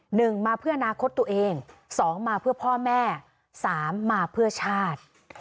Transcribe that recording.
หนึ่งมาเพื่ออนาคตตัวเองสองมาเพื่อพ่อแม่สามมาเพื่อชาติ